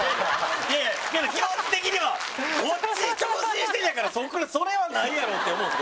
いやいやでも気持ち的にはこっち直進してんねやからそれはないやろって思うんですけど。